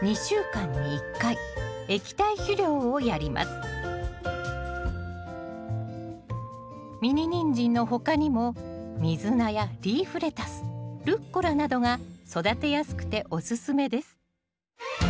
追肥はミニニンジンの他にもミズナやリーフレタスルッコラなどが育てやすくておすすめです。